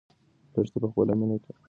لښتې په خپله مینه کې رښتینې وه.